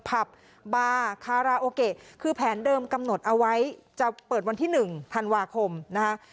ผับบาร์คาราโอเกะคือแผนเดิมกำหนดเอาไว้จะเปิดวันที่๑ธันวาคมนะคะ